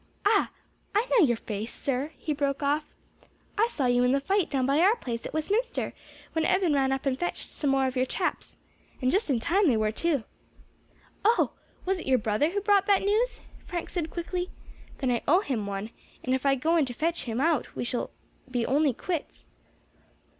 Ah! I know your face, sir," he broke off, "I saw you in the fight down by our place at Westminster, when Evan ran up and fetched some more of your chaps and just in time they were too." "Oh! was it your brother who brought that news?" Frank said quickly; "then I owe him one, and if I go in to fetch him out we shall be only quits."